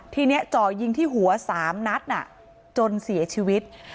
ทีนี้จ่อยิงที่หัว๓นัดจนเสียชีวิต